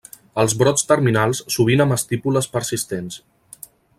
Els brots terminals sovint amb estípules persistents.